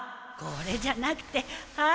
これじゃなくてはい！